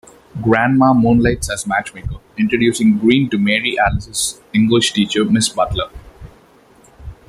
Grandma moonlights as matchmaker, introducing Green to Mary Alice's English teacher, Miss Butler.